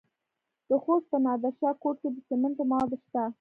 د خوست په نادر شاه کوټ کې د سمنټو مواد شته.